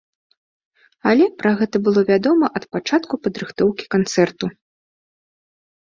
Але пра гэта было вядома ад пачатку падрыхтоўкі канцэрту.